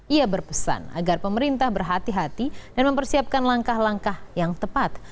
ia berpesan agar pemerintah berhati hati dan mempersiapkan langkah langkah yang tepat